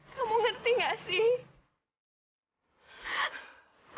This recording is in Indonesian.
kamu ngerti gak sih